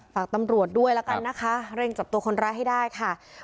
ฝากตำรวจด้วยแล้วกันนะคะเร่งจับตัวคนร้ายให้ได้ค่ะ